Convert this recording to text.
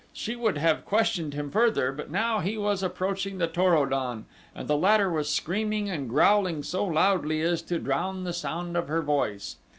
She would have questioned him further, but now he was approaching the Tor o don and the latter was screaming and growling so loudly as to drown the sound of her voice.